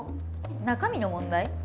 中身の問題？